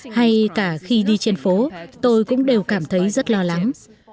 hay cả khi đi trên phố tôi cũng đều cảm thấy rất lo lắng